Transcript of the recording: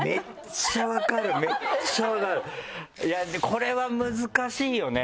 これは難しいよね。